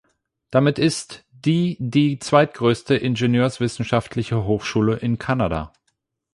Damit ist die die zweitgrößte ingenieurwissenschaftliche Hochschule in Kanada.